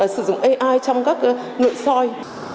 sử dụng ai trong các nội soi